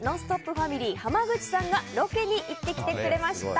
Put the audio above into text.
ファミリー濱口さんがロケに行ってきてくれました。